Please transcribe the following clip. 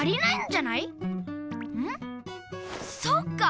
そっか！